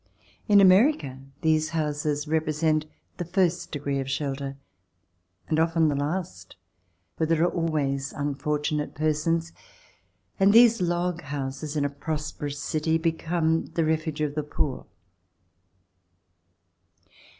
In America these houses represent the first degree of shelter and often the last, for there are always unfortunate per sons, and these log houses in a prosperous city become the refuge of the poor.